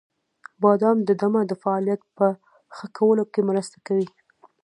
• بادام د دمه د فعالیت په ښه کولو کې مرسته کوي.